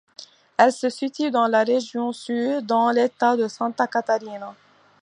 Elle se situe dans la région Sud, dans l'État de Santa Catarina.